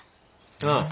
ああ